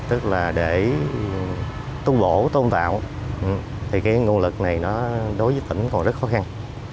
tức là để tu bổ tôn tạo thì cái nguồn lực này nó đối với tỉnh còn rất khó khăn